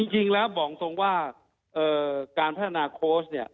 จริงแล้วบอกตรงว่าการพัฒนาโค้ชเนี่ย